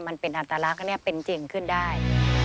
ถ้ามันเป็นอัตรารักษ์ก็แน่เป็นจริงขึ้นได้